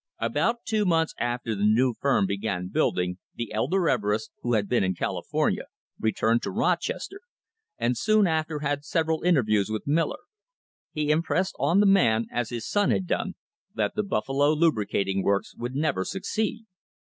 About two months after the new firm began building, the elder Everest, who had been in California, returned to Roches ter, and soon after had several interviews with Miller. He impressed on the man, as his son had done, that the Buffalo Lubricating Works would never succeed.